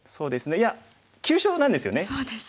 いや急所なんですよね。